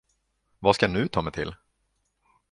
Vad skall jag nu ta mig till?